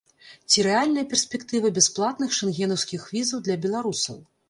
Ці рэальная перспектыва бясплатных шэнгенаўскіх візаў для беларусаў?